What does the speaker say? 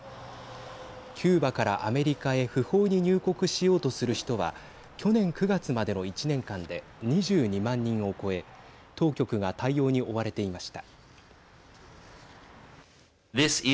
キューバからアメリカへ不法に入国しようとする人は去年９月までの１年間で２２万人を超え当局が対応に追われていました。